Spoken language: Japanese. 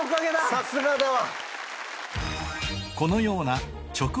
さすがだわ！